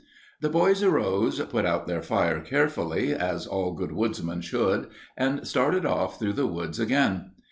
The boys arose, put out their fire carefully, as all good woodsmen should, and started off through the woods again.